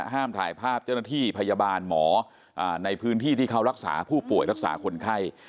ห้ามถ่ายภาพเจ้าหน้าที่พยาบาลหมอในพื้นที่ที่เขารักษาผู้ป่วยรักษาคนไข้